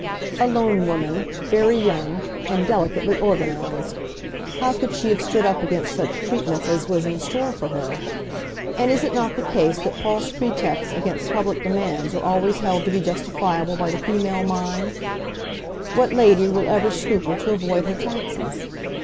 A lone woman, very young, and delicately organised! How could she have stood up against such treatment as was in store for her? And is it not the case that false pretexts against public demands are always held to be justifiable by the female mind? What lady will ever scruple to avoid her taxes?